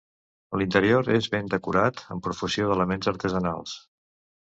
L'interior és ben decorat, amb profusió d'elements artesanals.